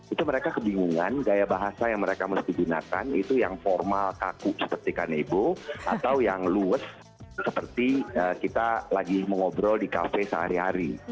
itu mereka kebingungan gaya bahasa yang mereka mesti gunakan itu yang formal kaku seperti kanebo atau yang luwet seperti kita lagi mengobrol di kafe sehari hari